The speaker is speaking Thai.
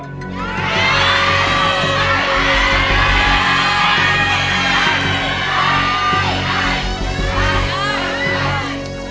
ใช่